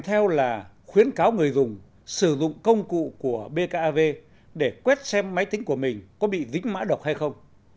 tiếp theo là khuyến cáo người dùng sử dụng công cụ của bkav để quét xem máy tính của mình có bị dính mã độc hay không